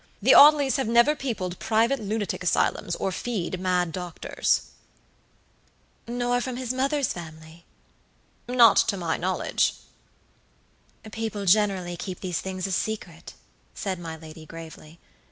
"The Audleys have never peopled private lunatic asylums or fed mad doctors." "Nor from his mother's family?" "Not to my knowledge." "People generally keep these things a secret," said my lady, gravely.